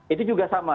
itu juga sama